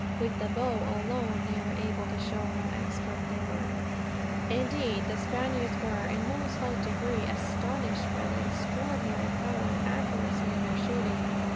With the bow, alone, they were able to show how expert they were. Indeed, the Spaniards were, in no slight degree, astonished by the extraordinary power and accuracy of their shooting.